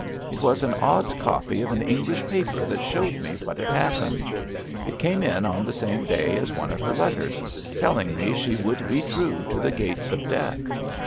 It was an odd copy of an English paper that showed me what had happened. It came in on the same day as one of her letters, telling me she would be true to the gates of death.